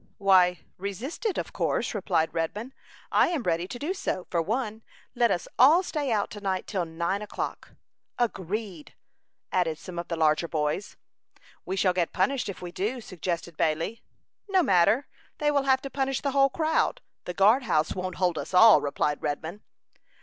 Why, resist it, of course," replied Redman. "I am ready to do so, for one. Let us all stay out to night till nine o'clock." "Agreed," added some of the larger boys. "We shall get punished if we do," suggested Bailey. "No matter. They will have to punish the whole crowd. The guard house won't hold us all," replied Redman.